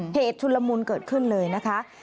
เหตุชุลมุนเกิดขึ้นเลยนะคะ